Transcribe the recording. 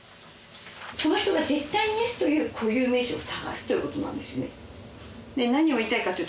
その人が絶対にイエスと言う固有名詞を探すということなんですね。